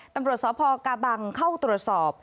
ตำรวจสพกาบังเข้าตรวจสอบ